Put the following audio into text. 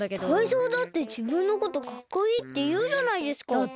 タイゾウだってじぶんのことかっこいいっていうじゃないですか。